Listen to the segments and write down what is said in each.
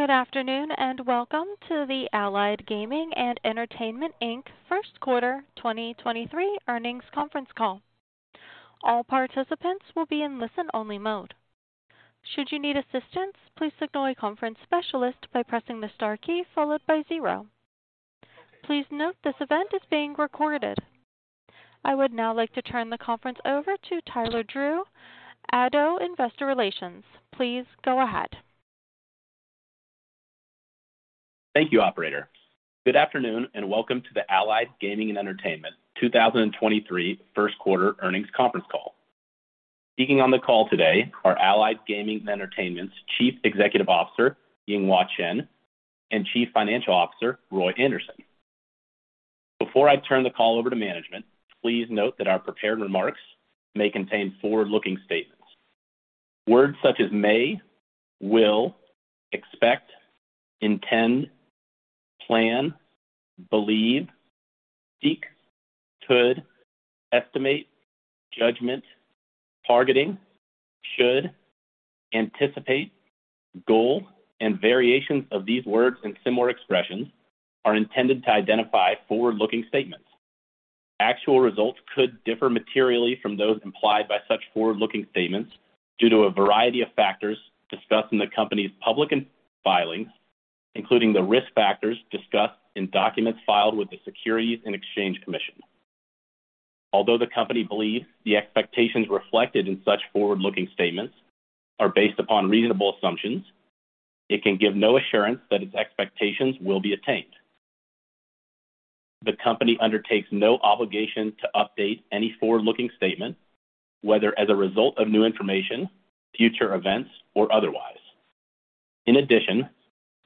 Good afternoon, welcome to the Allied Gaming & Entertainment Inc. Q1 2023 earnings conference call. All participants will be in listen-only mode. Should you need assistance, please signal a conference specialist by pressing the star key followed by 0. Please note this event is being recorded. I would now like to turn the conference over to Tyler Drew, ADDO Investor Relations. Please go ahead. Thank you, operator. Good afternoon, and welcome to the Allied Gaming & Entertainment 2023 Q1 earnings conference call. Speaking on the call today are Allied Gaming & Entertainment's Chief Executive Officer, Yinghua Chen, and Chief Financial Officer, Roy Anderson. Before I turn the call over to management, please note that our prepared remarks may contain forward-looking statements. Words such as may, will, expect, intend, plan, believe, seek, could, estimate, judgment, targeting, should, anticipate, goal, and variations of these words and similar expressions are intended to identify forward-looking statements. Actual results could differ materially from those implied by such forward-looking statements due to a variety of factors discussed in the company's public filings, including the risk factors discussed in documents filed with the Securities and Exchange Commission. Although the company believes the expectations reflected in such forward-looking statements are based upon reasonable assumptions, it can give no assurance that its expectations will be attained. The company undertakes no obligation to update any forward-looking statement, whether as a result of new information, future events, or otherwise. In addition,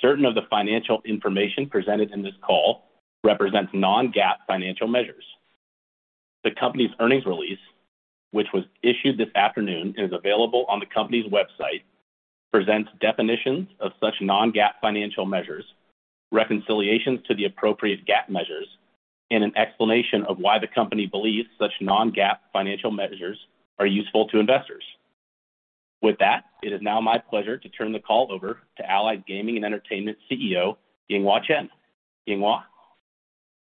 certain of the financial information presented in this call represents non-GAAP financial measures. The company's earnings release, which was issued this afternoon and is available on the company's website, presents definitions of such non-GAAP financial measures, reconciliations to the appropriate GAAP measures, and an explanation of why the company believes such non-GAAP financial measures are useful to investors. With that, it is now my pleasure to turn the call over to Allied Gaming & Entertainment CEO, Yinghua Chen. Yinghua.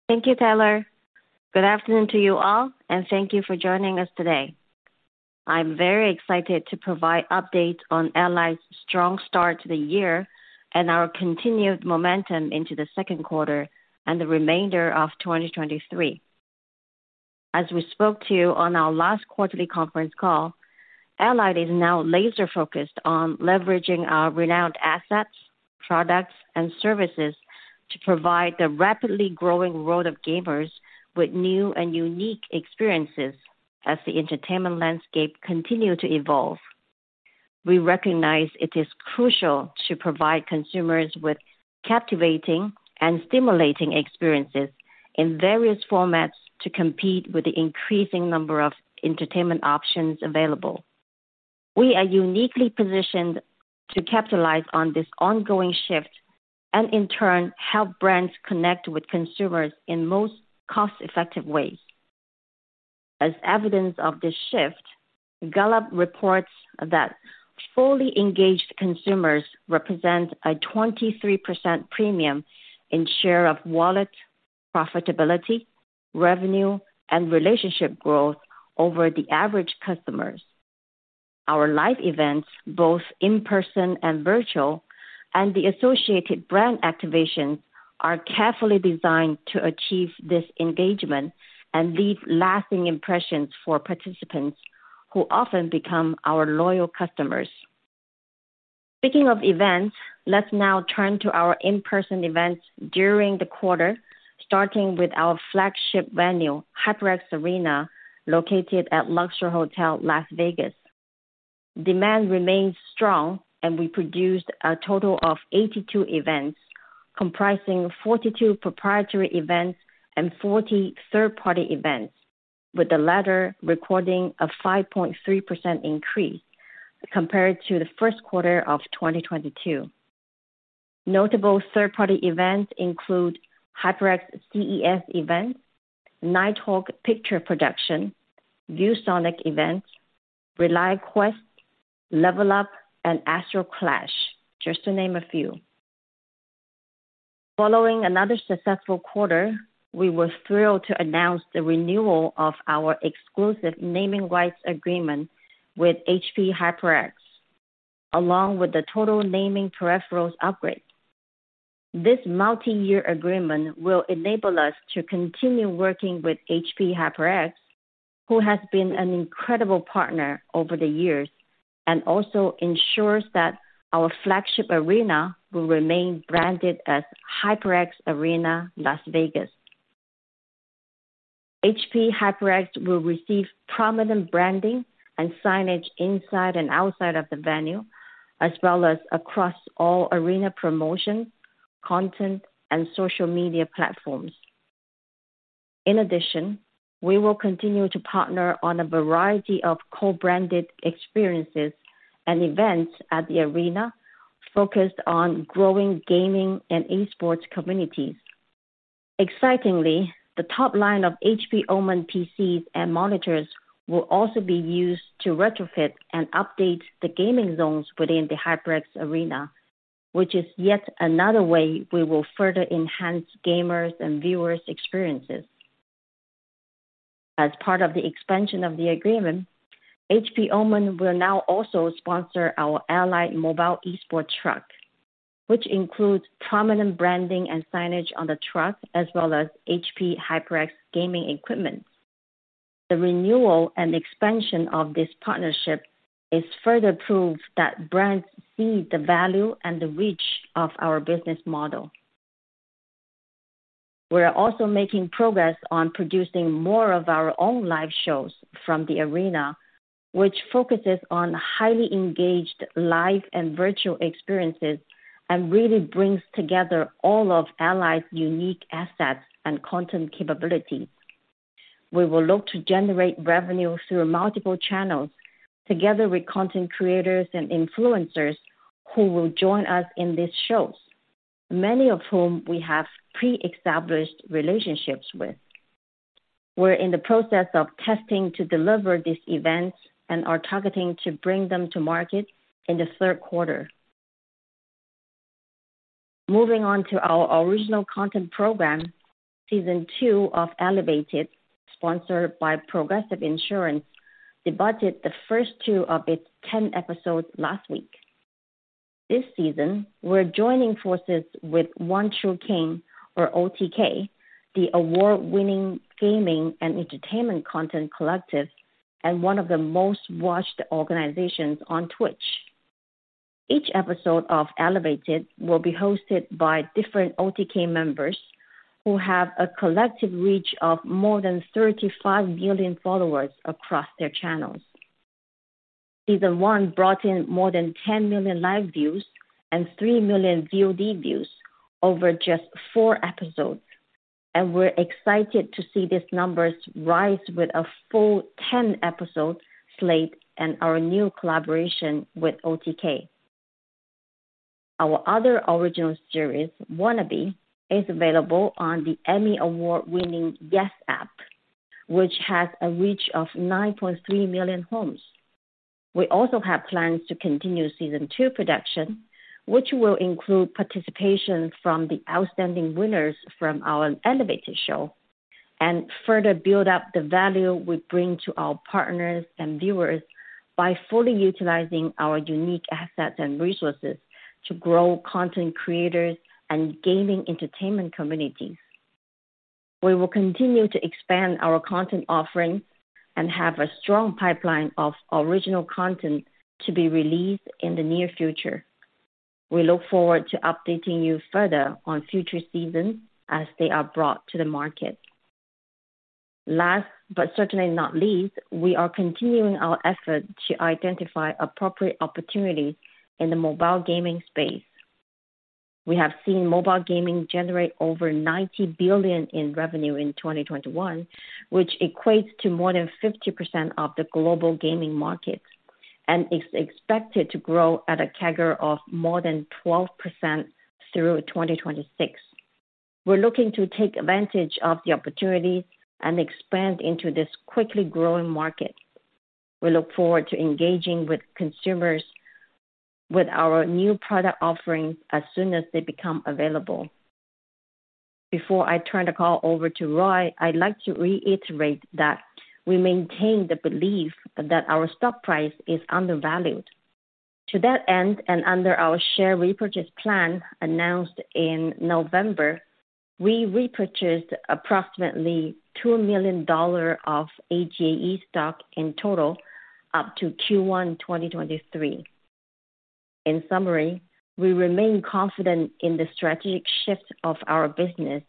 Thank you, Tyler. Good afternoon to you all, and thank you for joining us today. I'm very excited to provide updates on Allied's strong start to the year and our continued momentum into Q2 and the remainder of 2023. As we spoke to on our last quarterly conference call, Allied is now laser-focused on leveraging our renowned assets, products, and services to provide the rapidly growing world of gamers with new and unique experiences as the entertainment landscape continue to evolve. We recognize it is crucial to provide consumers with captivating and stimulating experiences in various formats to compete with the increasing number of entertainment options available. We are uniquely positioned to capitalize on this ongoing shift and, in turn, help brands connect with consumers in most cost-effective ways. As evidence of this shift, Gallup reports that fully engaged consumers represent a 23% premium in share of wallet profitability, revenue, and relationship growth over the average customers. Our live events, both in person and virtual, and the associated brand activations are carefully designed to achieve this engagement and leave lasting impressions for participants who often become our loyal customers. Speaking of events, let's now turn to our in-person events during the quarter, starting with our flagship venue, HyperX Arena, located at Luxor Hotel, Las Vegas. Demand remains strong, we produced a total of 82 events, comprising 42 proprietary events and 40 third-party events, with the latter recording a 5.3% increase compared to Q1 of 2022. Notable third-party events include HyperX CES event, Nighthawk Pictures Production, ViewSonic events, ReliaQuest, Level Up, and Astral Clash, just to name a few. Following another successful quarter, we were thrilled to announce the renewal of our exclusive naming rights agreement with HP HyperX, along with the total naming peripherals upgrade. This multi-year agreement will enable us to continue working with HP HyperX, who has been an incredible partner over the years, and also ensures that our flagship arena will remain branded as HyperX Arena, Las Vegas. HP HyperX will receive prominent branding and signage inside and outside of the venue, as well as across all arena promotions, content, and social media platforms. In addition, we will continue to partner on a variety of co-branded experiences and events at the arena focused on growing gaming and esports communities. Excitingly, the top line of HP OMEN PCs and monitors will also be used to retrofit and update the gaming zones within the HyperX Arena, which is yet another way we will further enhance gamers' and viewers' experiences. As part of the expansion of the agreement, HP OMEN will now also sponsor our Allied mobile Esports truck, which includes prominent branding and signage on the truck, as well as HP HyperX gaming equipment. The renewal and expansion of this partnership is further proof that brands see the value and the reach of our business model. We're also making progress on producing more of our own live shows from the arena, which focuses on highly engaged live and virtual experiences, and really brings together all of Allied's unique assets and content capabilities. We will look to generate revenue through multiple channels together with content creators and influencers who will join us in these shows, many of whom we have pre-established relationships with. We're in the process of testing to deliver these events and are targeting to bring them to market in the Q3. Moving on to our original content program, season two of ELEVATED, sponsored by Progressive Insurance, debuted the first two of its 10 episodes last week. This season, we're joining forces with One True King, or OTK, the award-winning gaming and entertainment content collective, and one of the most-watched organizations on Twitch. Each episode of ELEVATED will be hosted by different OTK members who have a collective reach of more than 35 million followers across their channels. Season one brought in more than 10 million live views and 3 million VOD views over just 4 episodes. We're excited to see these numbers rise with a full 10 episodes slate in our new collaboration with OTK. Our other original series, WANNABE, is available on the Emmy Award-winning YES App, which has a reach of 9.3 million homes. We also have plans to continue season two production, which will include participation from the outstanding winners from our ELEVATED show and further build up the value we bring to our partners and viewers by fully utilizing our unique assets and resources to grow content creators and gaming entertainment communities. We will continue to expand our content offerings and have a strong pipeline of original content to be released in the near future. We look forward to updating you further on future seasons as they are brought to the market. Last, but certainly not least, we are continuing our effort to identify appropriate opportunities in the mobile gaming space. We have seen mobile gaming generate over $90 billion in revenue in 2021, which equates to more than 50% of the global gaming market and is expected to grow at a CAGR of more than 12% through 2026. We're looking to take advantage of the opportunities and expand into this quickly growing market. We look forward to engaging with consumers with our new product offerings as soon as they become available. Before I turn the call over to Roy, I'd like to reiterate that we maintain the belief that our stock price is undervalued. To that end, under our share repurchase plan announced in November, we repurchased approximately $2 million of AGAE stock in total up to Q1 2023. In summary, we remain confident in the strategic shift of our business,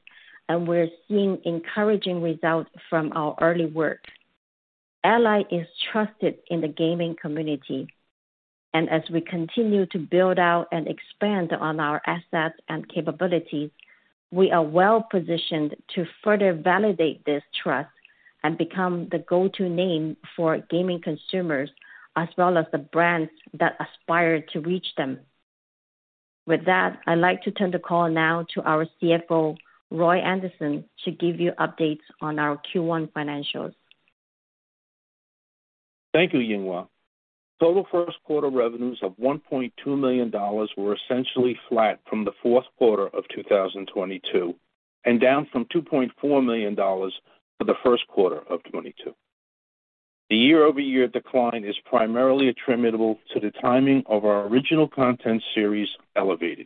and we're seeing encouraging results from our early work. Allied is trusted in the gaming community, and as we continue to build out and expand on our assets and capabilities, we are well-positioned to further validate this trust and become the go-to name for gaming consumers, as well as the brands that aspire to reach them. With that, I'd like to turn the call now to our CFO, Roy Anderson, to give you updates on our Q1 financials. Thank you, Yinghua. Total Q1 revenues of $1.2 million were essentially flat from Q4 of 2022, and down from $2.4 million for Q1 of 2022. The year-over-year decline is primarily attributable to the timing of our original content series, ELEVATED.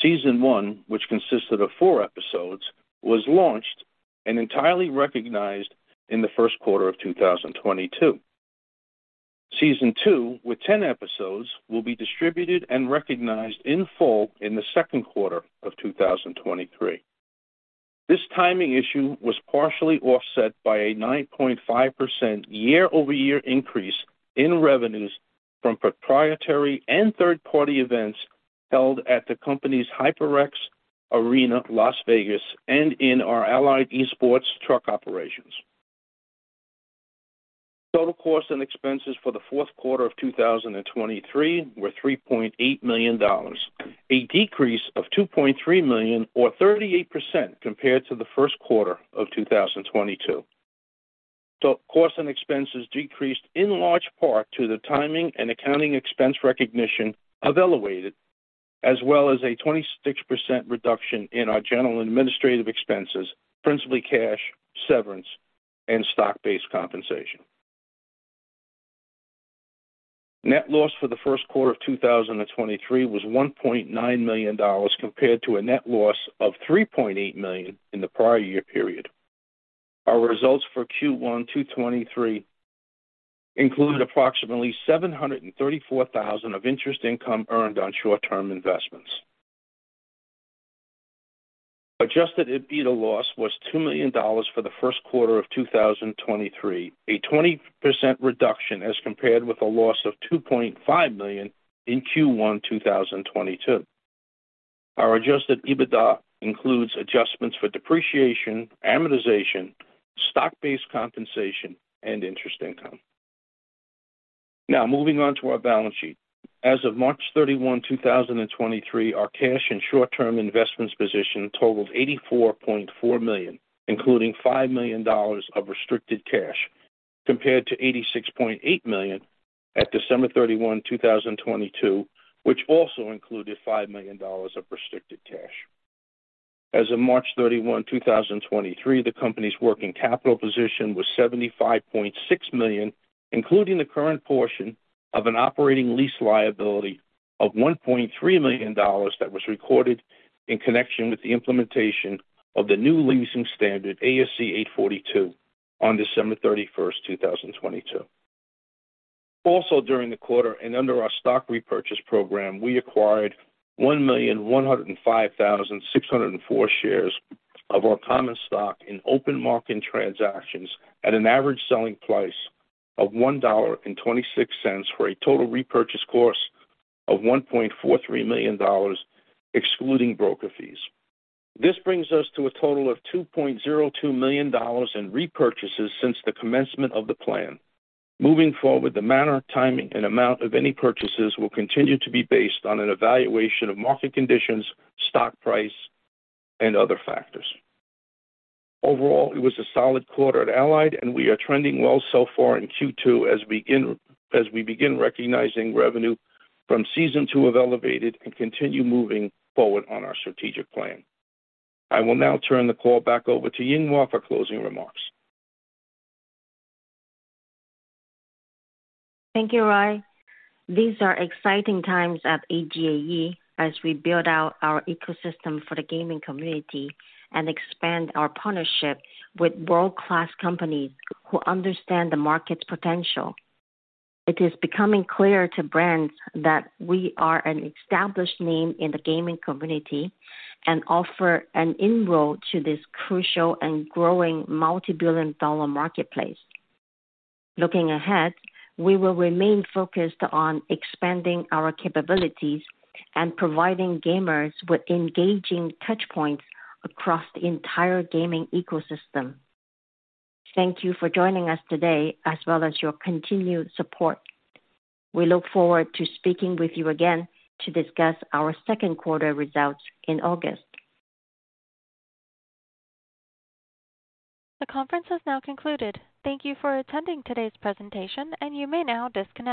Season one, which consisted of four episodes, was launched and entirely recognized in Q1 of 2022. Season two, with 10 episodes, will be distributed and recognized in full in Q2 of 2023. This timing issue was partially offset by a 9.5% year-over-year increase in revenues from proprietary and third-party events held at the company's HyperX Arena Las Vegas and in our Allied Esports Trucks operations. Total costs and expenses for Q4 of 2023 were $3.8 million, a decrease of $2.3 million or 38% compared to Q1 of 2022. Total costs and expenses decreased in large part to the timing and accounting expense recognition of ELEVATED, as well as a 26% reduction in our general administrative expenses, principally cash, severance, and stock-based compensation. Net loss for Q1 of 2023 was $1.9 million compared to a net loss of $3.8 million in the prior year period. Our results for Q1 2023 include approximately $734,000 of interest income earned on short-term investments. Adjusted EBITDA loss was $2 million for Q1 of 2023, a 20% reduction as compared with a loss of $2.5 million in Q1 2022. Our adjusted EBITDA includes adjustments for depreciation, amortization, stock-based compensation, and interest income. Moving on to our balance sheet. As of March 31, 2023, our cash and short-term investments position totaled $84.4 million, including $5 million of restricted cash, compared to $86.8 million at December 31, 2022, which also included $5 million of restricted cash. As of March 31, 2023, the company's working capital position was $75.6 million, including the current portion of an operating lease liability of $1.3 million that was recorded in connection with the implementation of the new leasing standard ASC 842 on December 31, 2022. During the quarter, under our stock repurchase program, we acquired 1,105,604 shares of our common stock in open market transactions at an average selling price of $1.26, for a total repurchase cost of $1.43 million, excluding broker fees. This brings us to a total of $2.02 million in repurchases since the commencement of the plan. Moving forward, the manner, timing and amount of any purchases will continue to be based on an evaluation of market conditions, stock price, and other factors. Overall, it was a solid quarter at Allied. We are trending well so far in Q2 as we begin recognizing revenue from season two of ELEVATED and continue moving forward on our strategic plan. I will now turn the call back over to Yinghua for closing remarks. Thank you, Roy. These are exciting times at AGAE as we build out our ecosystem for the gaming community and expand our partnership with world-class companies who understand the market's potential. It is becoming clear to brands that we are an established name in the gaming community and offer an in-road to this crucial and growing multi-billion dollar marketplace. Looking ahead, we will remain focused on expanding our capabilities and providing gamers with engaging touch points across the entire gaming ecosystem. Thank you for joining us today as well as your continued support. We look forward to speaking with you again to discuss our Q2 results in August. The conference has now concluded. Thank you for attending today's presentation. You may now disconnect.